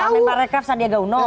pak menteri pak rekref sadia gauno